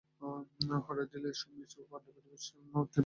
হঠাৎ ঢিলে-শেমিজ-পরা পাণ্ডুবর্ণ শীর্ণমূর্তি বিছানা ছেড়ে খাড়া হয়ে দাঁড়িয়ে উঠল।